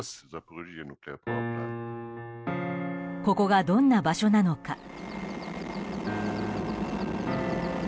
ここが、どんな場所なのか。